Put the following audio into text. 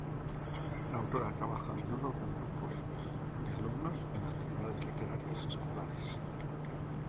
La autora trabaja a menudo con grupos de alumnos en actividades literarias escolares.